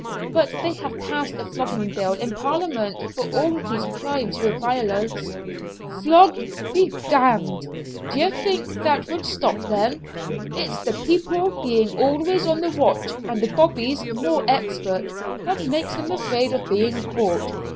"But they have passed a flogging bill in Parliament for all these crimes with violence." "Flogging be d d! D'ye think that would stop them? It's the people being always on the watch, and the 'Bobbies' more expert, that makes them afraid of being caught.